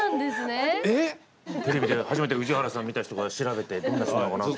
テレビで初めて宇治原さんを見た人が調べてどんな人なのかなって。